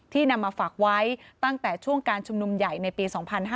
นำมาฝากไว้ตั้งแต่ช่วงการชุมนุมใหญ่ในปี๒๕๕๙